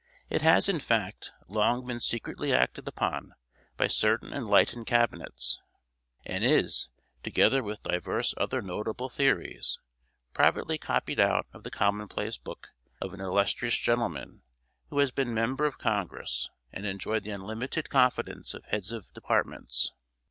It has, in fact, long been secretly acted upon by certain enlightened cabinets, and is, together with divers other notable theories, privately copied out of the commonplace book of an illustrious gentleman who has been member of congress, and enjoyed the unlimited confidence of heads of departments.